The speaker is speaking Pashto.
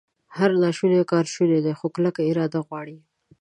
هر ناشونی کار شونی دی، خو کلکه اراده غواړي